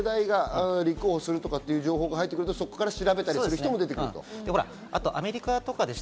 自分らと同じ世代が立候補するという情報が入ってきたら、そこから調べたりする人も出てくると。